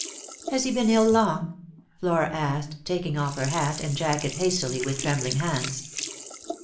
" Has he been ill long ?" Flora asked, taking off her hat and jacket hastily with trembling hands.